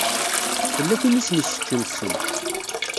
Tella tin i sen-iseččen ssem.